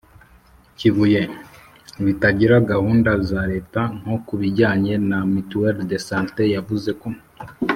kibuye bitabira gahunda za leta. nko ku bijyanye na mutuelle de santé, yavuze ko